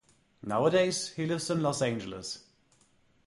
Nowadays he lives in Los Angeles.